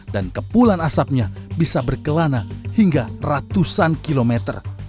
dan kepulan asapnya bisa berkelana hingga ratusan kilometer